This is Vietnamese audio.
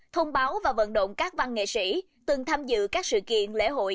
thông báo và vận động các văn nghệ sĩ từng tham dự các sự kiện lễ hội